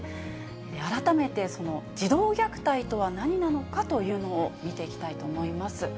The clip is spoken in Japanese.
改めて、児童虐待とはなんなのかというのを見ていきたいと思います。